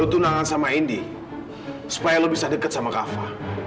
lo tunangan sama indi supaya lo bisa deket sama kafa